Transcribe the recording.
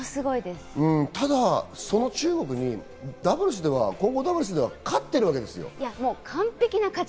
ただ、その中国にダブルスでは混合ダブルスでは勝ってるわけです。